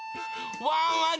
ワンワン